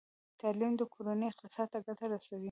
تعلیم د کورنۍ اقتصاد ته ګټه رسوي۔